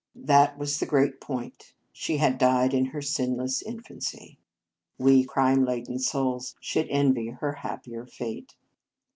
That was the great point. She had died in her sinless infancy. We crime laden souls should envy her happier fate.